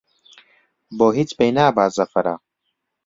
بۆ هیچ پێی نابا زەفەرە